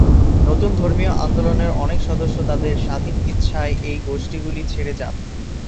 নতুন ধর্মীয় আন্দোলন-এর অনেক সদস্য তাদের স্বাধীন ইচ্ছায় এই গোষ্ঠীগুলি ছেড়ে যান।